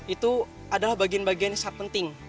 itu adalah bagian bagian yang sangat penting